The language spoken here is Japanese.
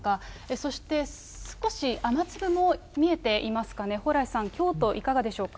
そして、少し雨粒も見えていますかね、蓬莱さん、京都、いかがでしょうか。